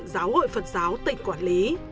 giáo hội phật giáo tỉnh quản lý